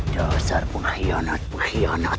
dasar pengkhianat pengkhianat